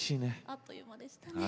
あっという間でしたね。